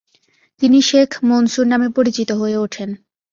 তিনি শেখ মনসুর নামে পরিচিত হয়ে উঠেন।